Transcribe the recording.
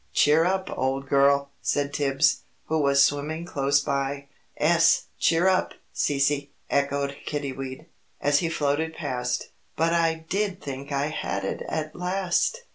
"Cheer up, old girl!" said Tibbs, who was swimming close by. "'Es, cheer up, Cece!" echoed Kiddiwee, as he floated past. "But I did think I had it at last!"